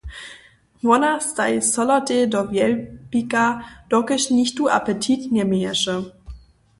Wona staji solotej do wjelbika, dokelž nichtó apetit njeměješe.